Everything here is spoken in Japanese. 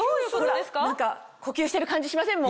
何か呼吸してる感じしません？